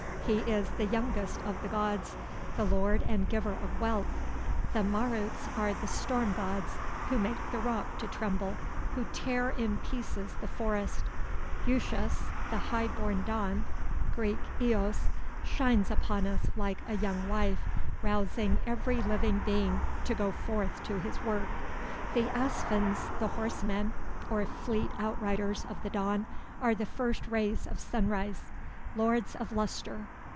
He is "the Youngest of the Gods," "the Lord and Giver of Wealth." The Maruts are the Storm Gods, "who make the rock to tremble, who tear in pieces the forest." Ushas, "the High born Dawn" (Greek Eos), "shines upon us like a young wife, rousing every living being to go forth to his work." The Asvins, the "Horsemen" or fleet outriders of the dawn, are the first rays of sunrise, "Lords of Lustre."